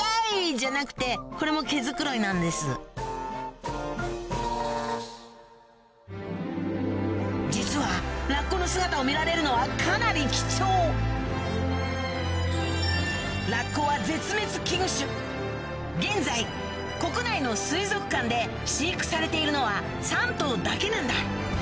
じゃなくてこれも毛繕いなんです実はラッコの姿を見られるのはかなり貴重ラッコは現在国内の水族館で飼育されているのは３頭だけなんだ